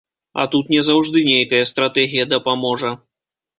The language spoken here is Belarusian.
А тут не заўжды нейкая стратэгія дапаможа.